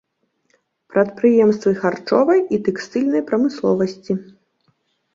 Прадпрыемствы харчовай і тэкстыльнай прамысловасці.